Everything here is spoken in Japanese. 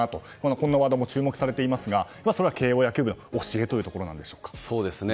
こんなワードも注目されていますがそれは、慶応野球部の教えなんでしょうか。